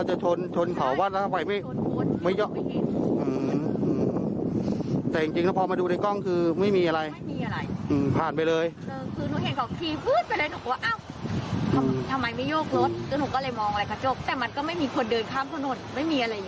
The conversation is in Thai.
ใช่ฟังเธอเล่านะฮะ